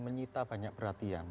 menyita banyak perhatian